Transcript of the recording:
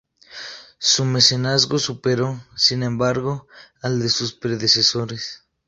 Su mecenazgo superó, sin embargo, al de sus predecesores.